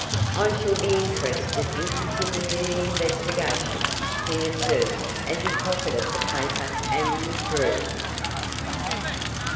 "I shall be interested in continuing the investigation," he observed as he pocketed the paper and withdrew.